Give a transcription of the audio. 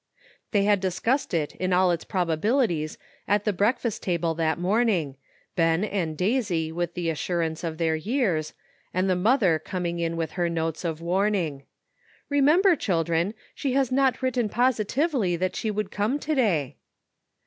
They had discussed it in all its probabilities at the breakfast table that morning, Ben and Daisy with the assurance of their years, and the mother coming in with her notes of warning. " Remember, children, she has not written posi tively that she would come to day."